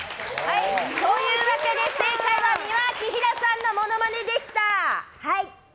というわけで正解は美輪明宏さんのモノマネでした。